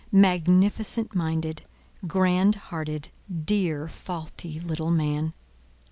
Magnificent minded, grand hearted, dear, faulty little man!